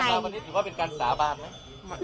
แล้ววันนี้ถือว่าเป็นการสาบานไหม